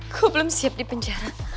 kau belum siap di penjara